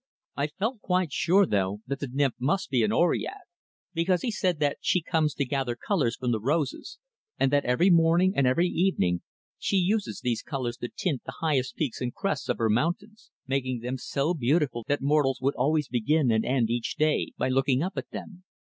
I felt quite sure, though, that the nymph must be an Oread; because he said that she comes to gather colors from the roses, and that every morning and every evening she uses these colors to tint the highest peaks and crests of her mountains making them so beautiful that mortals would always begin and end each day by looking up at them.